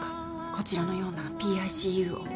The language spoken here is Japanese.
こちらのようなＰＩＣＵを。